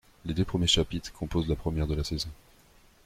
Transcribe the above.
Les deux premiers chapitres composent la première de la saison.